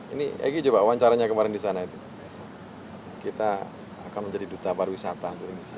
ini egy coba wawancaranya kemarin di sana itu kita akan menjadi duta pariwisata untuk indonesia